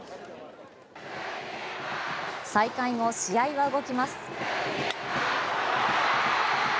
再開後、試合は動きます。